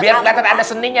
biar kelihatan ada seninya